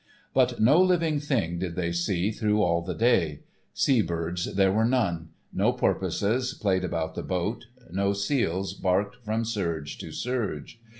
But no living thing did they see through all the day. Sea birds there were none; no porpoises played about the boat, no seals barked from surge to surge.